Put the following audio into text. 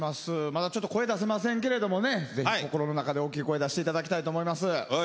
まだ声出せませんけど心の中で大きな声出していただきたいと思います。